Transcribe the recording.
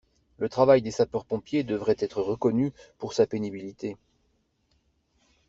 Le travail des sapeurs-pompiers devrait être reconnu pour sa pénibilité.